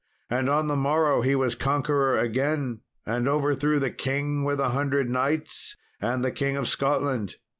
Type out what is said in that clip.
And on the morrow he was conqueror again, and overthrew the king with a hundred knights and the King of Scotland.